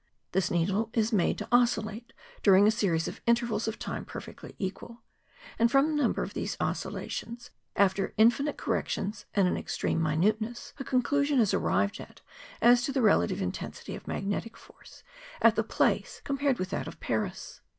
This needle is made to oscillate during a series of intervals of time perfectly equal; and from the number of these oscillations after infinite corrections and an extreme minuteness, a conclusion is arrived at as to the relative intensity of magnetic force at the place compared with that of Paris.